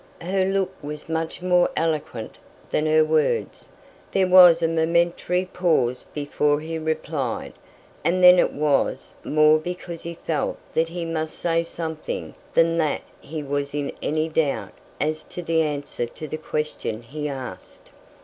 Her look was much more eloquent than her words. There was a momentary pause before he replied, and then it was more because he felt that he must say something than that he was in any doubt as to the answer to the question he asked.